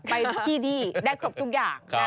ไปที่ที่ได้ครบทุกอย่าง